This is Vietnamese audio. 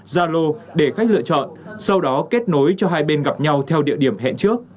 zalo để khách lựa chọn sau đó kết nối cho hai bên gặp nhau theo địa điểm hẹn trước